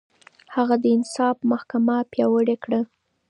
هغه د انصاف محکمه پياوړې کړه.